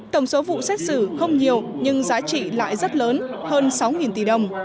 tổng số vụ xét xử không nhiều nhưng giá trị lại rất lớn hơn sáu tỷ đồng